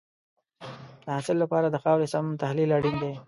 د حاصل لپاره د خاورې سم تحلیل اړین دی.